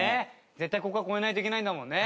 絶対ここは超えないといけないんだもんね。